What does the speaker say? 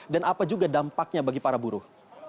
dan apa juga dampaknya bagi para buruh